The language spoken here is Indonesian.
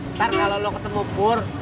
ntar kalau lo ketemu bur